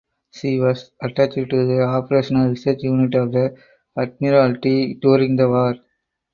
She was attached to the Operational Research Unit of the Admiralty during the war.